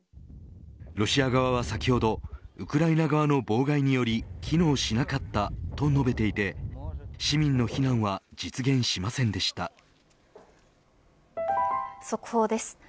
ロシア側は先ほどウクライナ側の妨害により機能しなかったと述べていて市民の避難は速報です。